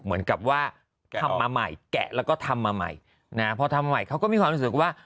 เหมือนกับว่าทำมาใหม่แกะแล้วก็ทำมาใหม่นะพอทำใหม่เขาก็มีความรู้สึกว่า